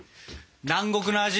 南国の味